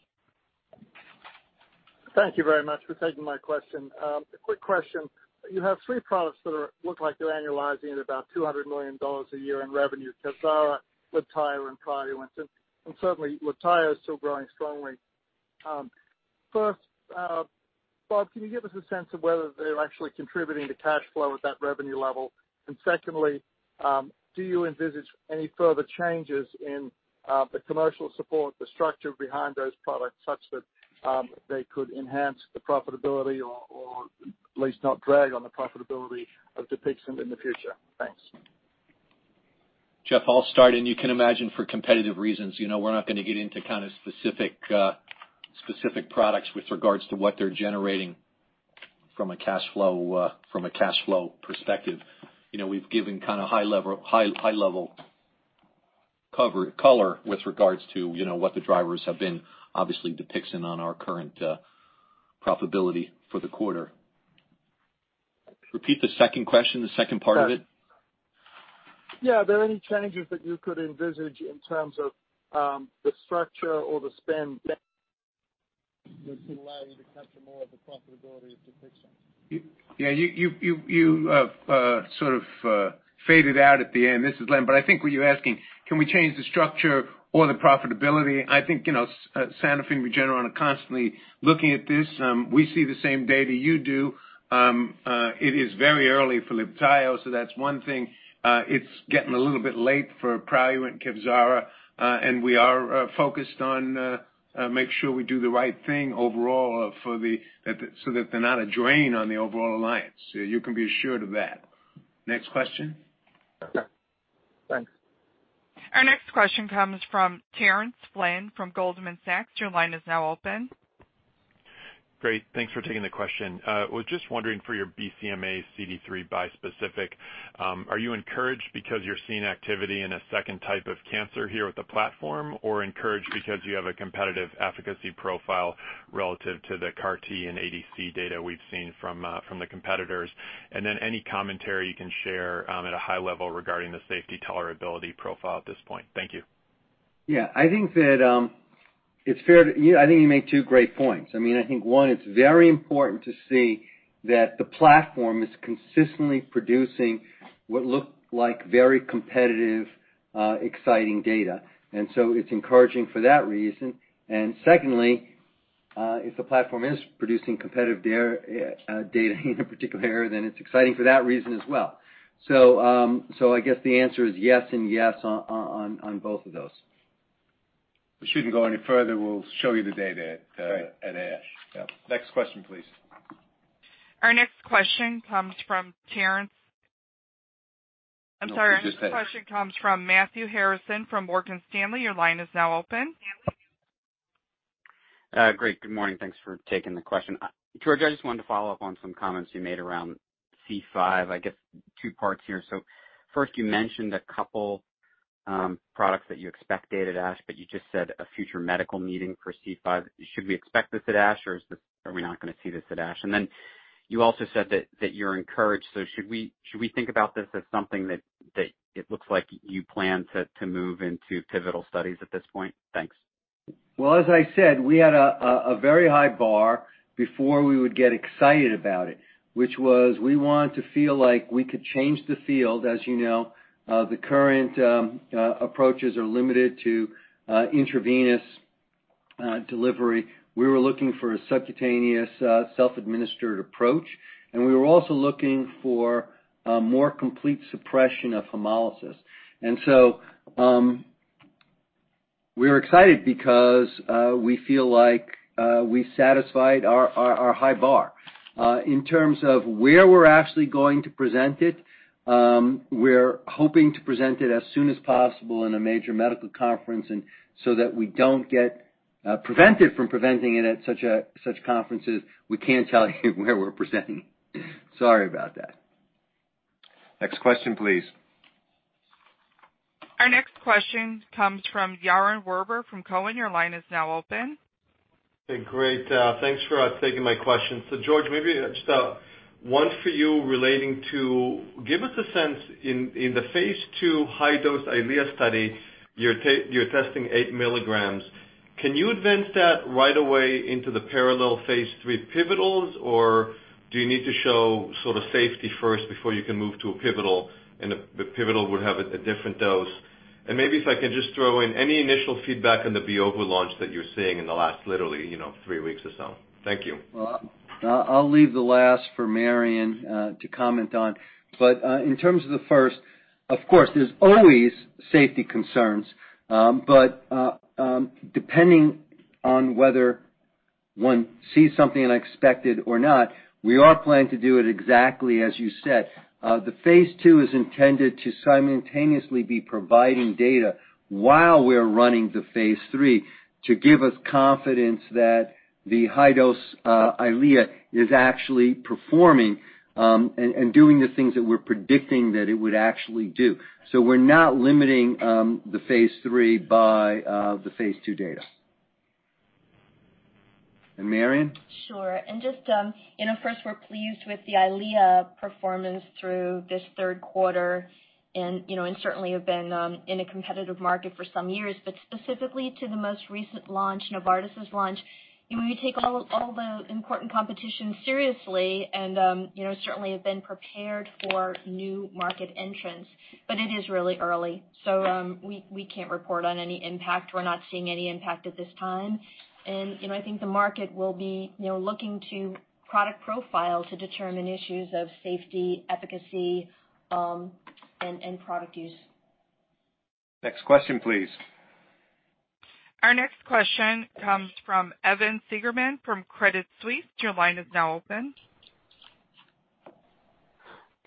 Thank you very much for taking my question. A quick question. You have three products that look like they're annualizing at about $200 million a year in revenue, KEVZARA, Libtayo, and PRALUENT, and certainly Libtayo is still growing strongly. First, Bob, can you give us a sense of whether they're actually contributing to cash flow at that revenue level? Secondly, do you envisage any further changes in the commercial support, the structure behind those products, such that they could enhance the profitability or at least not drag on the profitability of DUPIXENT in the future? Thanks. Geoff, I'll start. You can imagine for competitive reasons, we're not going to get into kind of specific products with regards to what they're generating from a cash flow perspective. We've given kind of high-level color with regards to what the drivers have been, obviously DUPIXENT on our current profitability for the quarter. Repeat the second question, the second part of it. Yeah. Are there any changes that you could envisage in terms of the structure or the spend that would allow you to capture more of the profitability of DUPIXENT? Yeah, you sort of faded out at the end. This is Len. I think what you're asking. Can we change the structure or the profitability? I think Sanofi and Regeneron are constantly looking at this. We see the same data you do. It is very early for Libtayo. That's one thing. It's getting a little bit late for Praluent and Kevzara. We are focused on making sure we do the right thing overall so that they're not a drain on the overall alliance. You can be assured of that. Next question? Okay, thanks. Our next question comes from Terence Flynn from Goldman Sachs. Your line is now open. Great. Thanks for taking the question. I was just wondering for your BCMAxCD3 bispecific, are you encouraged because you're seeing activity in a second type of cancer here with the platform, or encouraged because you have a competitive efficacy profile relative to the CAR T and ADC data we've seen from the competitors? Any commentary you can share at a high level regarding the safety tolerability profile at this point. Thank you. Yeah. I think you made two great points. I think, one, it's very important to see that the platform is consistently producing what look like very competitive, exciting data. It's encouraging for that reason. Secondly, if the platform is producing competitive data in a particular area, then it's exciting for that reason as well. I guess the answer is yes and yes on both of those. We shouldn't go any further. We'll show you the data at ASH. Right. Yeah. Next question, please. Our next question comes from Terence. I'm sorry. No, she just. Our next question comes from Matthew Harrison from Morgan Stanley. Your line is now open. Great. Good morning. Thanks for taking the question. George, I just wanted to follow up on some comments you made around C5. I guess two parts here. First you mentioned a couple products that you expect data at ASH, but you just said a future medical meeting for C5. Should we expect this at ASH, or are we not going to see this at ASH? Then you also said that you're encouraged, should we think about this as something that it looks like you plan to move into pivotal studies at this point? Thanks. Well, as I said, we had a very high bar before we would get excited about it, which was we wanted to feel like we could change the field. As you know, the current approaches are limited to intravenous delivery. We were looking for a subcutaneous, self-administered approach, and we were also looking for a more complete suppression of hemolysis. We're excited because we feel like we satisfied our high bar. In terms of where we're actually going to present it, we're hoping to present it as soon as possible in a major medical conference, and so that we don't get prevented from presenting it at such conferences, we can't tell you where we're presenting. Sorry about that. Next question, please. Our next question comes from Yaron Werber from Cowen. Your line is now open. Hey, great. Thanks for taking my question. George, maybe just one for you relating to give us a sense in the phase II high-dose EYLEA study, you're testing 8 milligrams. Can you advance that right away into the parallel phase III pivotals? Do you need to show sort of safety first before you can move to a pivotal, and the pivotal would have a different dose? Maybe if I can just throw in any initial feedback on the Beovu launch that you're seeing in the last literally 3 weeks or so. Thank you. Well, I'll leave the last for Marion to comment on, but, in terms of the first, of course, there's always safety concerns. Depending on whether one sees something unexpected or not, we are planning to do it exactly as you said. The phase II is intended to simultaneously be providing data while we're running the phase III to give us confidence that the high-dose EYLEA is actually performing, and doing the things that we're predicting that it would actually do. We're not limiting the phase III by the phase II data. Marion? Sure. First, we're pleased with the EYLEA performance through this third quarter and certainly have been in a competitive market for some years, but specifically to the most recent launch, Novartis' launch. We take all the important competition seriously and certainly have been prepared for new market entrants. It is really early, so we can't report on any impact. We're not seeing any impact at this time. I think the market will be looking to product profile to determine issues of safety, efficacy, and end product use. Next question, please. Our next question comes from Evan Seigerman from Credit Suisse. Your line is now open.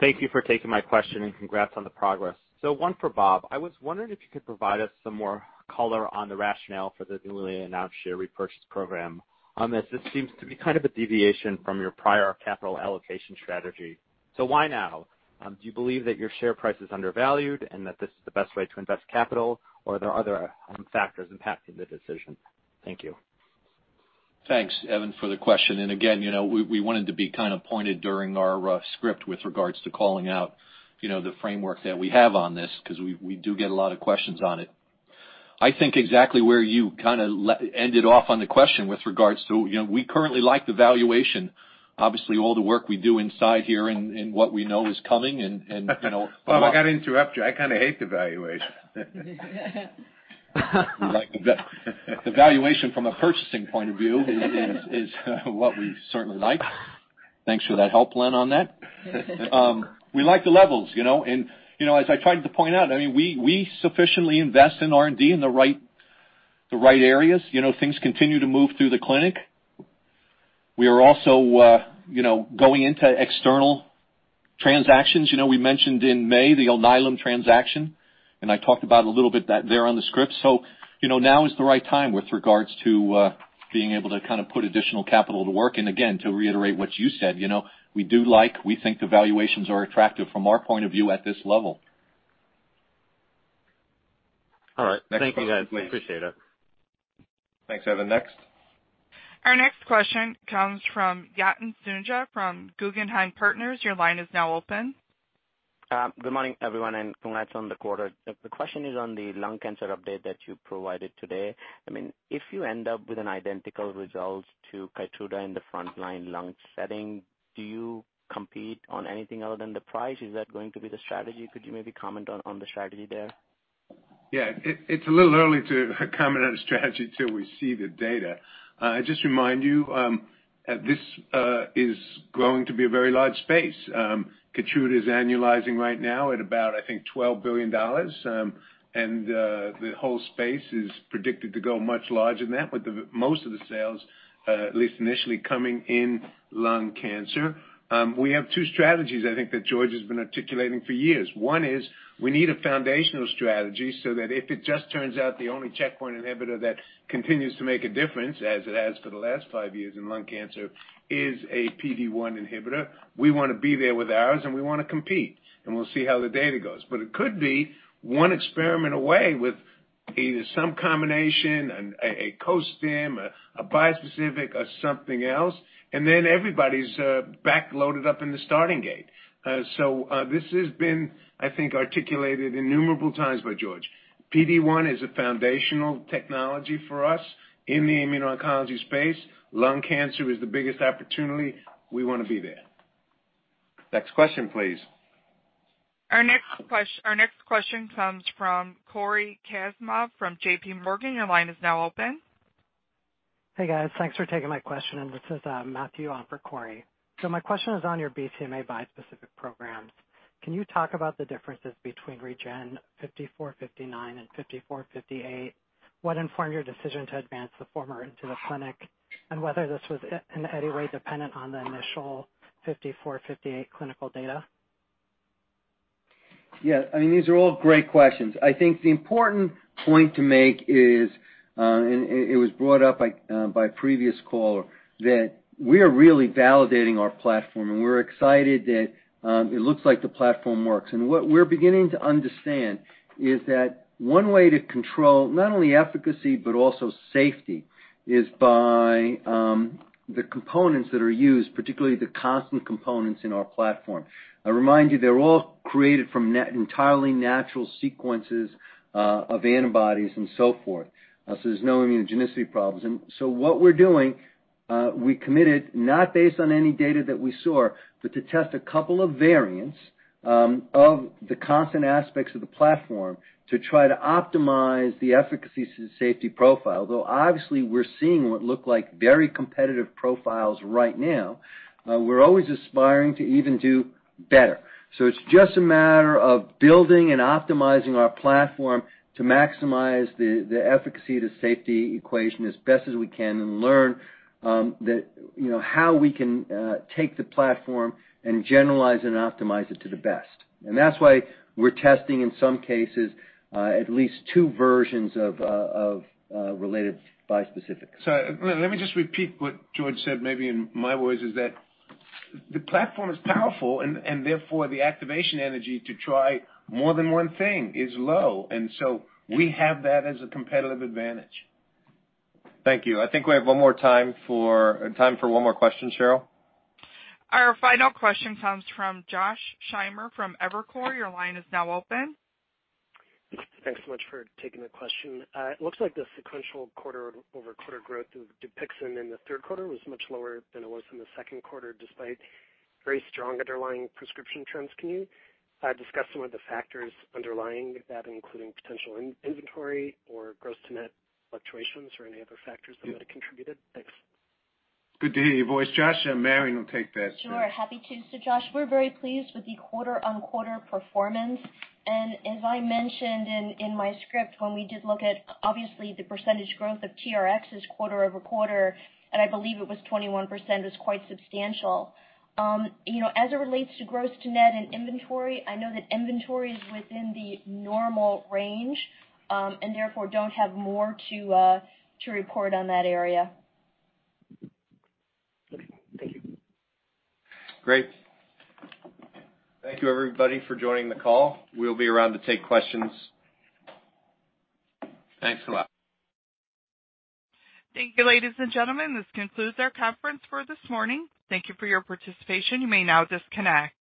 Thank you for taking my question, congrats on the progress. One for Bob. I was wondering if you could provide us some more color on the rationale for the newly announced share repurchase program, as this seems to be kind of a deviation from your prior capital allocation strategy. Why now? Do you believe that your share price is undervalued and that this is the best way to invest capital, or are there other factors impacting the decision? Thank you. Thanks, Evan, for the question. Again, we wanted to be kind of pointed during our script with regards to calling out the framework that we have on this because we do get a lot of questions on it. I think exactly where you kind of ended off on the question with regards to we currently like the valuation. Obviously, all the work we do inside here and what we know is coming and. Bob, I've got to interrupt you. I kind of hate the valuation. We like the valuation from a purchasing point of view is what we certainly like. Thanks for that help, Len, on that. We like the levels. As I tried to point out, we sufficiently invest in R&D in the right areas. Things continue to move through the clinic. We are also going into external transactions. We mentioned in May the Alnylam transaction, and I talked about a little bit there on the script. Now is the right time with regards to being able to kind of put additional capital to work. Again, to reiterate what you said, we do like, we think the valuations are attractive from our point of view at this level. All right. Thank you, guys. Next question, please. I appreciate it. Thanks, Evan. Next? Our next question comes from Yatin Suneja from Guggenheim Securities. Your line is now open. Good morning, everyone. Congrats on the quarter. The question is on the lung cancer update that you provided today. If you end up with identical results to KEYTRUDA in the frontline lung setting, do you compete on anything other than the price? Is that going to be the strategy? Could you maybe comment on the strategy there? Yeah. It's a little early to comment on a strategy till we see the data. I just remind you, this is going to be a very large space. KEYTRUDA is annualizing right now at about, I think, $12 billion. The whole space is predicted to go much larger than that, with most of the sales, at least initially, coming in lung cancer. We have two strategies, I think, that George has been articulating for years. One is we need a foundational strategy so that if it just turns out the only checkpoint inhibitor that continues to make a difference, as it has for the last five years in lung cancer, is a PD-1 inhibitor, we want to be there with ours, and we want to compete. We'll see how the data goes. It could be one experiment away with either some combination and a co-stim, a bispecific, a something else, and then everybody's back loaded up in the starting gate. This has been, I think, articulated innumerable times by George. PD-1 is a foundational technology for us in the immuno-oncology space. Lung cancer is the biggest opportunity. We want to be there. Next question, please. Our next question comes from Cory Kasimov from J.P. Morgan. Your line is now open. Hey, guys. Thanks for taking my question. This is Matthew on for Cory. My question is on your BCMA bispecific programs. Can you talk about the differences between REGN5459 and REGN5458? What informed your decision to advance the former into the clinic, and whether this was in any way dependent on the initial REGN5458 clinical data? Yeah. These are all great questions. I think the important point to make is, it was brought up by a previous caller, that we are really validating our platform, and we're excited that it looks like the platform works. What we're beginning to understand is that one way to control not only efficacy but also safety is by the components that are used, particularly the constant components in our platform. I remind you, they're all created from entirely natural sequences of antibodies and so forth. There's no immunogenicity problems. What we're doing, we committed, not based on any data that we saw, but to test a couple of variants of the constant aspects of the platform to try to optimize the efficacy to safety profile. Though, obviously, we're seeing what look like very competitive profiles right now. We're always aspiring to even do better. It's just a matter of building and optimizing our platform to maximize the efficacy to safety equation as best as we can and learn how we can take the platform and generalize and optimize it to the best. That's why we're testing, in some cases, at least two versions of related bispecifics. Let me just repeat what George said, maybe in my words, is that the platform is powerful and therefore the activation energy to try more than one thing is low, and so we have that as a competitive advantage. Thank you. I think we have time for one more question, Cheryl. Our final question comes from Josh Schimmer from Evercore. Your line is now open. Thanks so much for taking the question. It looks like the sequential quarter-over-quarter growth of DUPIXENT in the third quarter was much lower than it was in the second quarter, despite very strong underlying prescription trends. Can you discuss some of the factors underlying that, including potential inventory or gross to net fluctuations or any other factors that might have contributed? Thanks. Good to hear your voice, Josh. Marion will take that. Sure. Happy to. Josh, we're very pleased with the quarter-on-quarter performance. As I mentioned in my script, when we did look at, obviously, the percentage growth of TRxs quarter-over-quarter, and I believe it was 21%, it was quite substantial. As it relates to gross to net and inventory, I know that inventory is within the normal range, and therefore, don't have more to report on that area. Okay. Thank you. Great. Thank you, everybody, for joining the call. We'll be around to take questions. Thanks a lot. Thank you, ladies and gentlemen. This concludes our conference for this morning. Thank you for your participation. You may now disconnect.